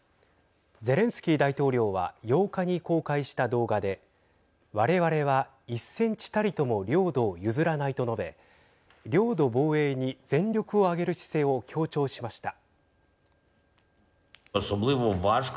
ゼレンスキー大統領は８日に公開した動画で我々は１センチたりとも領土を譲らないと述べ領土防衛に全力を挙げる姿勢を強調しました。